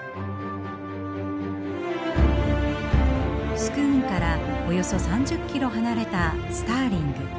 スクーンからおよそ３０キロ離れたスターリング。